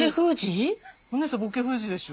⁉お姉さん「ぼけ封じ」でしょ。